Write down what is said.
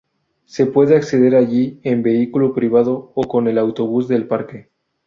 Se puede acceder allí en vehículo privado o con el autobús del parque.